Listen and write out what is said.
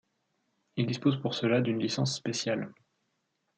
Ils disposent pour cela d'une licence spéciale.